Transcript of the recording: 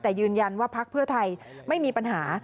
แต่ยืนยันว่าพักเพื่อไทยไม่มีปัญหา